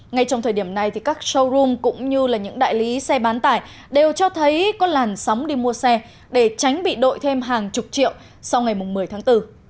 ngay trong thời điểm này các showroom cũng như những đại lý xe bán tải đều cho thấy có làn sóng đi mua xe để tránh bị đội thêm hàng chục triệu sau ngày một mươi tháng bốn